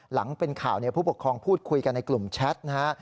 หลังเป็นข่าวผู้ปกครองพูดคุยกันในกลุ่มแชทนะฮะ